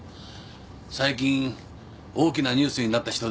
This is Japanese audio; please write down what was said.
最近大きなニュースになった人ですが。